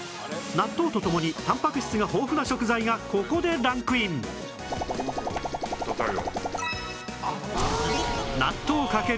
納豆とともにたんぱく質が豊富な食材がここでランクインそうか。